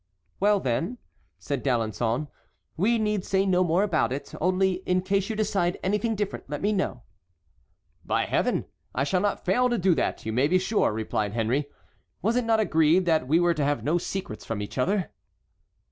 "Well, then," said D'Alençon, "we need say no more about it, only in case you decide anything different let me know." "By Heaven! I shall not fail to do that, you may be sure," replied Henry. "Was it not agreed that we were to have no secrets from each other?"